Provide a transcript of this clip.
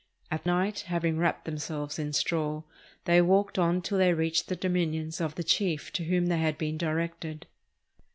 At night, having wrapped themselves in straw, they walked on till they reached the dominions of the chief to whom they had been directed.